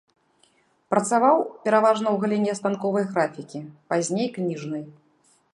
Працаваў пераважна ў галіне станковай графікі, пазней кніжнай.